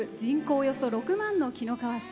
およそ６万の紀の川市。